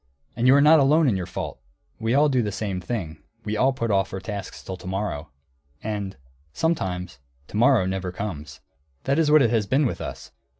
And you are not alone in your fault. We all do the same thing, we all put off our tasks till to morrow. And sometimes to morrow never comes. That is what it has been with us.